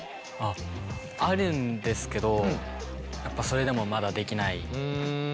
あるんですけどやっぱそれでもまだできない。